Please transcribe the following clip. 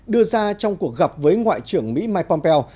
đưa ra trong cuộc gặp với ngoại trưởng mỹ mike pompeo